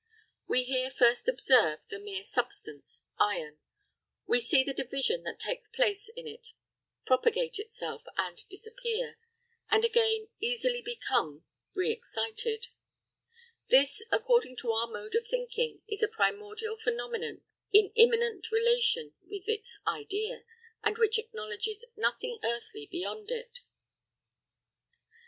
We here first observe the mere substance, iron; we see the division that takes place in it propagate itself and disappear, and again easily become re excited. This, according to our mode of thinking, is a primordial phenomenon in immediate relation with its idea, and which acknowledges nothing earthly beyond it. 742.